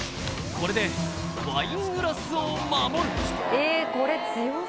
これでワイングラスを守る